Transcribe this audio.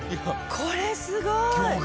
これすごい。